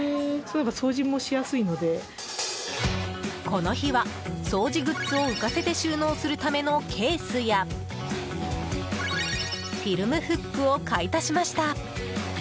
この日は、掃除グッズを浮かせて収納するためのケースやフィルムフックを買い足しました。